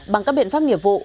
bằng các biện pháp nghiệp vụ